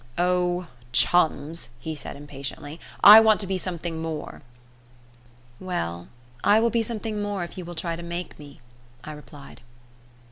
"Oh, chums!" he said impatiently; "I want to be something more." "Well, I will be something more if you will try to make me," I replied.